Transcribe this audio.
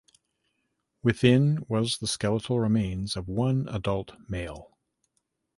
Within was the skeletal remains of one adult male.